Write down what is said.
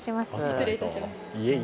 失礼いたしました。